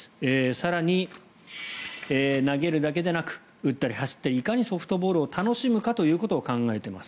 更に、投げるだけでなく打ったり走ったりいかにソフトボールを楽しむかということを考えています。